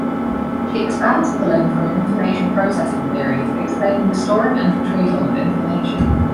She expands pulling from Information processing theories explaining the storing and retrieval of information.